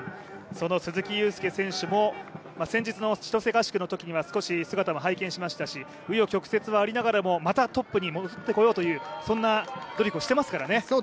その鈴木雄介選手も先日の千歳合宿のときには少し姿を拝見しましたし紆余曲折はありながらもまたトップに戻ってこようという、そんな努力をしてますからね。